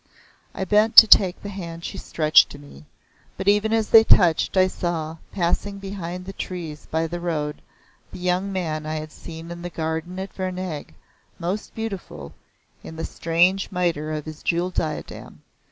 I bent to take the hand she stretched to me, but even as they touched, I saw, passing behind the trees by the road, the young man I had seen in the garden at Vernag most beautiful, in the strange miter of his jewelled diadem.